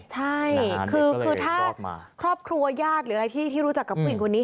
ใช่คือถ้าครอบครัวญาติหรืออะไรที่รู้จักกับผู้หญิงคนนี้